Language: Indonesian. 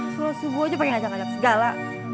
sholat subuh aja pake ngajak ngajak segala